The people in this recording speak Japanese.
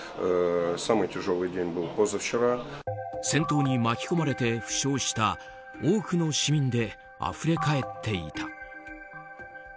戦闘に巻き込まれて負傷した多くの市民であふれかえっていた。